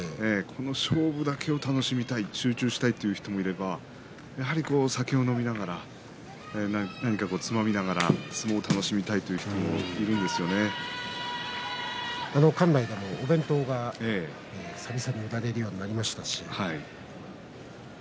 勝負だけを楽しみたい集中したいという人もいればやっぱりお酒を飲みながら何かつまみながら相撲を楽しみたいと館内、お弁当も売られるようになりました。